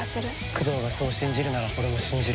九堂がそう信じるなら俺も信じる。